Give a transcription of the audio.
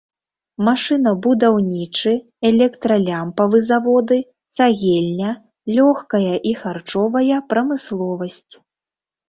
Машынабудаўнічы, электралямпавы заводы, цагельня, лёгкая і харчовая прамысловасць.